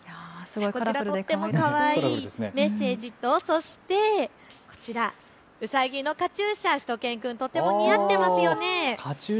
とってもかわいいメッセージとうさぎのカチューシャ、しゅと犬くんとっても似合っていますよね。